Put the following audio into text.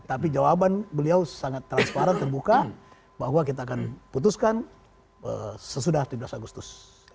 tapi jawaban beliau sangat transparan terbuka bahwa kita akan putuskan sesudah tujuh belas agustus